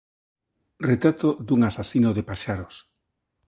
Retrato dun asasino de paxaros